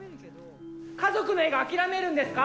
家族の映画、諦めるんですか？